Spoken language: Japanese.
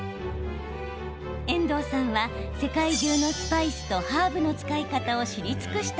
遠藤さんは、世界中のスパイスとハーブの使い方を知り尽くした